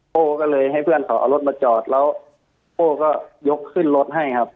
โก้ก็เลยให้เพื่อนเขาเอารถมาจอดแล้วโป้ก็ยกขึ้นรถให้ครับ